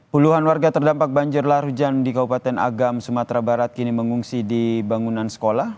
puluhan warga terdampak banjir lahar hujan di kabupaten agam sumatera barat kini mengungsi di bangunan sekolah